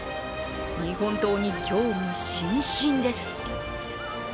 日本刀に興味津々です。